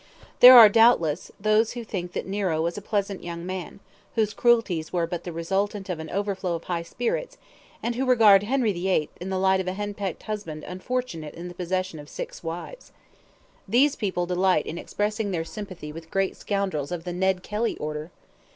There are, doubtless, those who think that Nero was a pleasant young man, whose cruelties were but the resultant of an overflow of high spirits; and who regard Henry VIII. in the light of a henpecked husband unfortunate in the possession of six wives. These people delight in expressing their sympathy with great scoundrels of the Ned Kelly order.